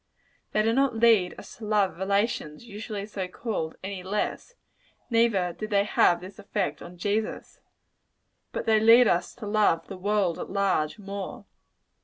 They do not lead us to love relations, usually so called, any less: neither did they have this effect on Jesus. But they lead us to love the world at large, more.